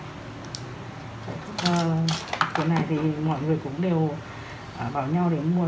tuần này thì mọi người cũng đều bảo nhau để mua